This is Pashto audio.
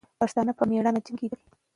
پښتانه په میړانه جنګېدل.